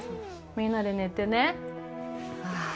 みんなで寝てね。